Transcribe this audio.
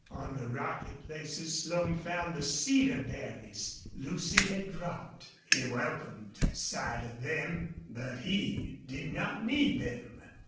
On the rocky places Slone found the cedar berries Lucy had dropped. He welcomed sight of them, but he did not need them.